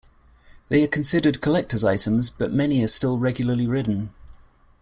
They are considered collector's items, but many are still regularly ridden.